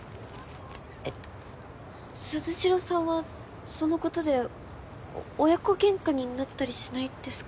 えっとす鈴代さんはそのことで親子ゲンカになったりしないですか？